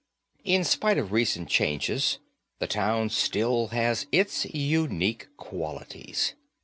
In spite of recent changes, the town still has its unique qualities.